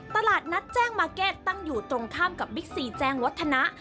ตลาดนัดแจ้งมาร์เก็ตตั้งอยู่ตรงข้ามกับบิ๊กซีแจ้งวัฒนะ